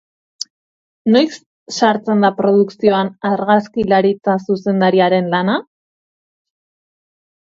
Noiz sartzen da produkzioan argazkilaritza zuzendariaren lana?